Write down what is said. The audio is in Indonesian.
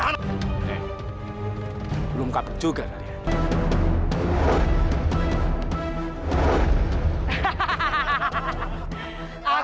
nih belum kapet juga kalian